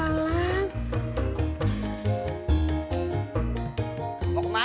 ulang lah habilah